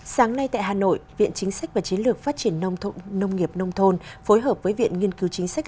sáng nay tại hà nội viện chính sách và chiến lược phát triển nông nghiệp nông thôn phối hợp với viện nghiên cứu chính sách